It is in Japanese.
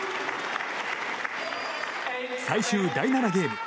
最終、第７ゲーム。